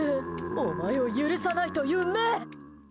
お前を許さないという目。